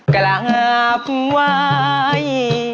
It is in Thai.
กลับไว้